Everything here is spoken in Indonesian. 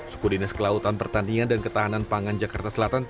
sukudinis kelautan pertandingan dan ketahanan pangan jakarta selatan